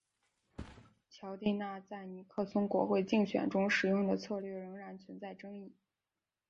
乔蒂纳在尼克松国会竞选中使用的策略仍然存在争议。